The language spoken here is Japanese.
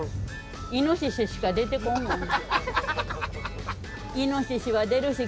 イノシシしか出てこんもん。